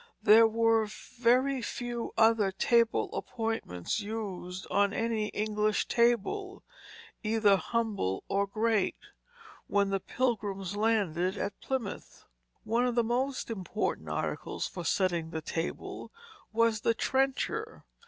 There were very few other table appointments used on any English table, either humble or great, when the Pilgrims landed at Plymouth. One of the most important articles for setting the table was the trencher.